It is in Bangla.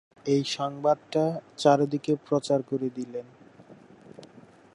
এই সংবাদটা চারদিকে প্রচার করে দিলেন।